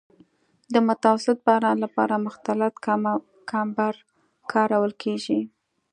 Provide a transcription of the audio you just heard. د متوسط باران لپاره مختلط کمبر کارول کیږي